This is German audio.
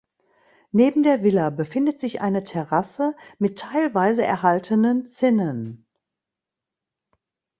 Neben der Villa befindet sich eine Terrasse mit teilweise erhaltenen Zinnen.